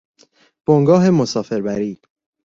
بنگاه مسافر بری